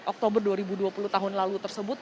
oktober dua ribu dua puluh tahun lalu tersebut